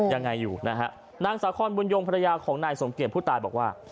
ยังไงอยู่นะฮะนางสาคอนบุญยงภรรยาของนายสมเกียจผู้ตายบอกว่า